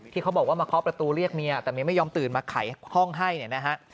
เขาบอกว่ามาเคาะประตูเรียกเมียแต่เมียไม่ยอมตื่นมาไขห้องให้เนี่ยนะฮะ